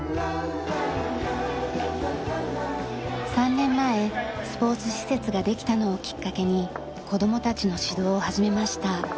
３年前スポーツ施設ができたのをきっかけに子供たちの指導を始めました。